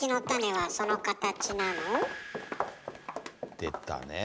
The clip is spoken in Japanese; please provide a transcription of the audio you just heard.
出たねぇ。